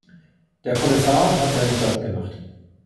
Der Kommissar hat seinen Job gemacht!